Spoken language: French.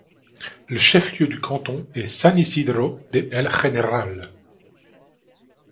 Le chef-lieu du canton est San Isidro de El General.